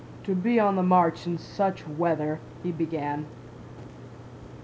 "To be on the march in such weather..." he began.